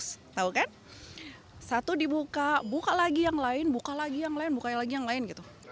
satu dibuka buka lagi yang lain buka lagi yang lain buka lagi yang lain